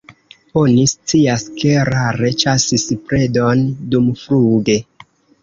Oni scias, ke rare ĉasis predon dumfluge.